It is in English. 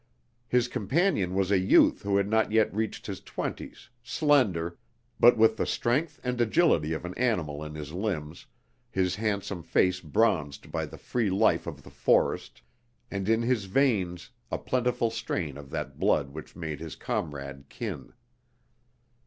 His companion was a youth who had not yet reached his twenties, slender, but with the strength and agility of an animal in his limbs, his handsome face bronzed by the free life of the forest, and in his veins a plentiful strain of that blood which made his comrade kin.